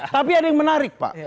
tapi ada yang menarik pak